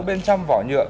bên trong vỏ nhựa